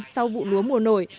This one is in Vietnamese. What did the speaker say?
sau vụ lúa mùa nổi